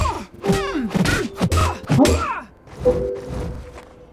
潮汐钟是一种依据月球环绕地球的视运动特别设计的钟。